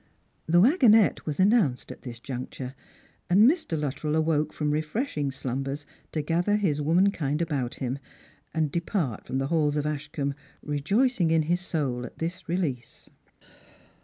The wagonette was announced at this juncture, and Mr. Luttrell awoke from refreshing slumbers to gather his woman kind around him, and depart from the halls of Ashcombe, rejoic ing in his soul at this release.